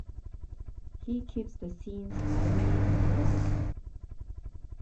He keeps the scenes lively and bright.